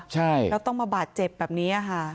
ใช่แล้วต้องมาบาดเจ็บแบบนี้ค่ะ